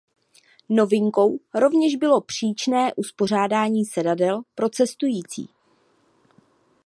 Novinkou rovněž bylo příčné uspořádání sedadel pro cestující.